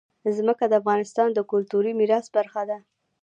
ځمکه د افغانستان د کلتوري میراث برخه ده.